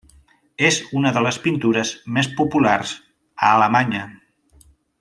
És una de les pintures més populars a Alemanya.